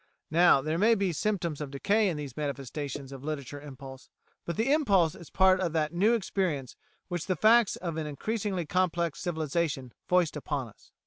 Now there may be symptoms of decay in these manifestations of literary impulse, but the impulse is part of that new experience which the facts of an increasingly complex civilisation foist upon us.